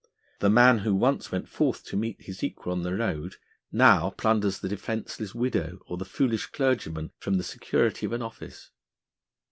The man who once went forth to meet his equal on the road, now plunders the defenceless widow or the foolish clergyman from the security of an office.